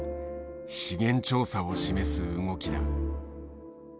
資源調査を示す動きだ。